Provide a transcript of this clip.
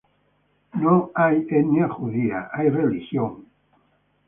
Es de etnia judía.